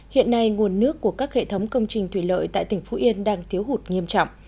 hiện nay nguồn nước của các hệ thống công trình thủy lợi tại tỉnh phú yên đang thiếu hụt nghiêm trọng